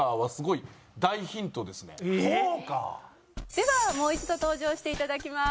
ではもう一度登場していただきます。